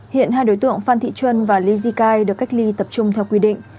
hiện hai đối tượng phan thị truân và lê di cai được cách ly tập trung theo quy định